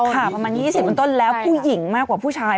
ประมาณ๒๐เป็นต้นแล้วผู้หญิงมากกว่าผู้ชาย